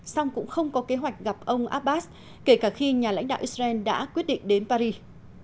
song cũng không có kế hoạch gặp ông abbas kể cả khi nhà lãnh đạo israel đã quyết định đến paris